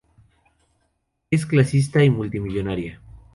Es clasista y multimillonaria.